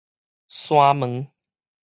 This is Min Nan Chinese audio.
山門